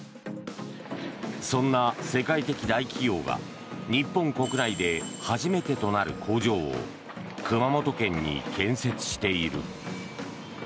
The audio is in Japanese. そんな世界的大企業が日本国内で初めてとなる工場を熊本県に建設している。